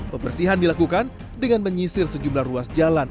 pembersihan dilakukan dengan menyisir sejumlah ruas jalan